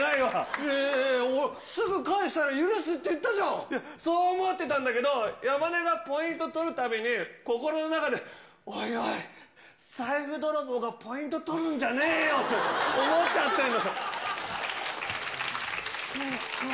えー、すぐ返したら許すっていや、そう思ってたんだけど、山根がポイント取るたびに、心の中で、おいおい、財布泥棒がポイント取るんじゃねえよって思っちゃってんの。